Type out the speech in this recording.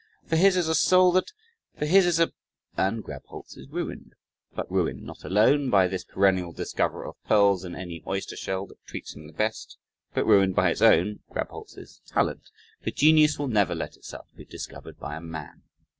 for his is a soul that ... for his is a..." and Grabholz is ruined; but ruined, not alone, by this perennial discoverer of pearls in any oyster shell that treats him the best, but ruined by his own (Grabholz's) talent, for genius will never let itself be discovered by "a man."